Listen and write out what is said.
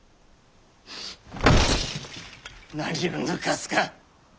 何を抜かすか！